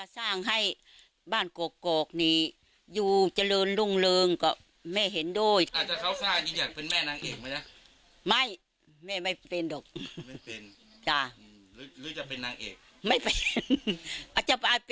พอมันคดียังไม่จบ